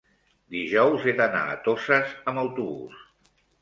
dijous he d'anar a Toses amb autobús.